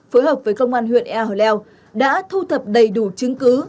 phối hợp với công an huyện ea leo đã thu thập đầy đủ chứng cứ